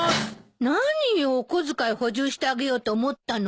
何よお小遣い補充してあげようと思ったのに。